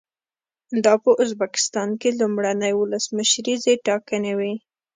دا په ازبکستان کې لومړنۍ ولسمشریزې ټاکنې وې.